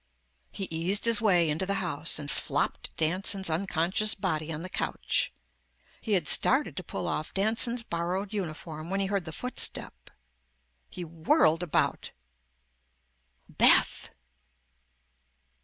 He eased his way into the house and flopped Danson's unconscious body on the couch. He had started to pull off Danson's borrowed uniform when he heard the footstep. He whirled about! Beth!